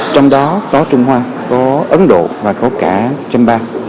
trong đó có trung hoa có ấn độ và có cả chăm ba